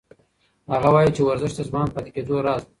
هغه وایي چې ورزش د ځوان پاتې کېدو راز دی.